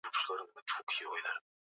Chemsha maji.